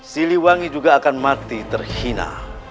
siliwangi juga akan mati terhina